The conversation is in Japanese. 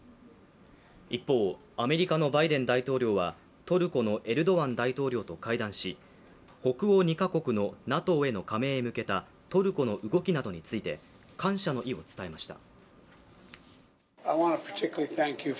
一方、アメリカのバイデン大統領はトルコのエルドアン大統領と会談し北欧２カ国のＮＡＴＯへの加盟へ向けたトルコの動きなどについて感謝の意を伝えました。